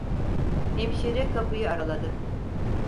Hemşire kapıyı araladı.